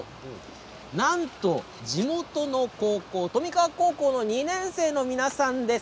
なんと地元の高校富川高校の２年生の皆さんです。